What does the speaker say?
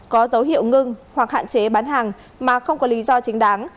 có dấu hiệu ngưng hoặc hạn chế bán hàng mà không có lý do chính đáng